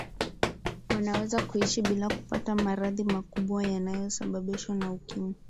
wanaweza kuishi bila kupata maradhi makubwa yanayosababishwa na ukimwi